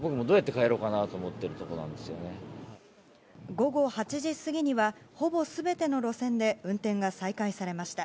午後８時過ぎにはほぼ全ての路線で運転が再開されました。